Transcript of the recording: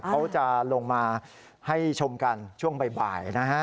เขาจะลงมาให้ชมกันช่วงบ่ายนะฮะ